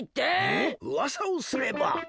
おっうわさをすれば。